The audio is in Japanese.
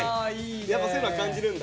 やっぱそういうのは感じるんだ？